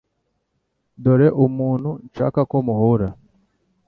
Dore umuntu nshaka ko muhura .